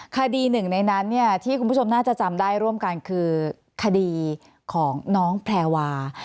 หนึ่งในนั้นที่คุณผู้ชมน่าจะจำได้ร่วมกันคือคดีของน้องแพรวา